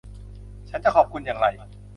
ฉันจะขอบคุณอย่างไร